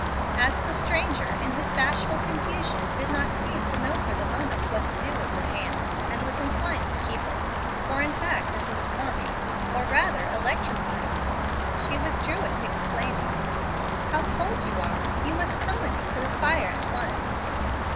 As the stranger, in his bashful confusion, did not seem to know for the moment what to do with her hand, and was inclined to keep it, for in fact it was warming, or, rather, electrifying him, she withdrew it, exclaiming, "How cold you are! You must come with me to the fire at once."